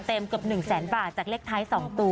แล้วจะระเบิดแปลกแสนบาทจากเลขท้ายสองตัว